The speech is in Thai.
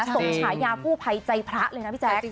ฉายากู้ภัยใจพระเลยนะพี่แจ๊ค